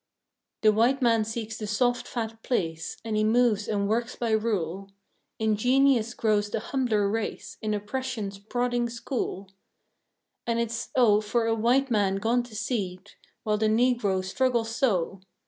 The white man seeks the soft, fat place, And he moves and he works by rule. Ingenious grows the humbler race In Oppression's prodding school. And it's, oh, for a white man gone to seed, While the Negro struggles so!